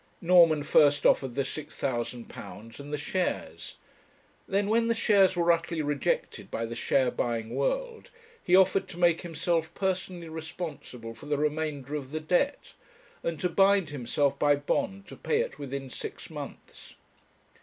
Norman first offered the £6,000 and the shares; then when the shares were utterly rejected by the share buying world, he offered to make himself personally responsible for the remainder of the debt, and to bind himself by bond to pay it within six months.